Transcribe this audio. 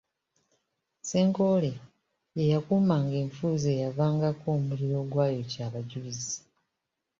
Ssenkoole yeyakuumanga enfuuzi eyavangako omuliro ogwayokya Abajulizi.